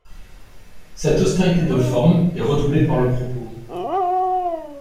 Cette austérité de forme est redoublée par le propos.